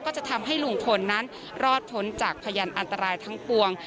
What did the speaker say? จะทำให้ลุงพลนั้นรอดพ้นจากพยานอันตรายทั้งปวง